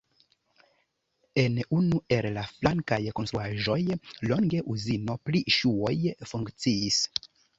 En unu el la flankaj konstruaĵoj longe uzino pri ŝuoj funkciis.